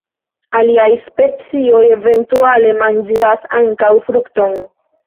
Aliaj specioj eventuale manĝas ankaŭ frukton.